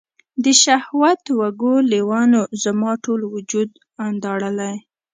د شهوت وږو لیوانو، زما ټول وجود داړلي